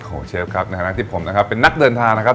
เชฟครับในฐานะที่ผมนะครับเป็นนักเดินทางนะครับ